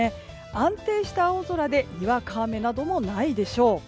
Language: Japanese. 安定した青空でにわか雨などもないでしょう。